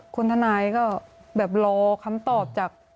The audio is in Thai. คุณทนายก็แบบรอคำตอบจาก